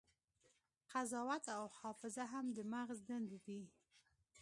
قضاوت او حافظه هم د مغز دندې دي.